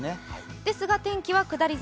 ですが、天気は下り坂。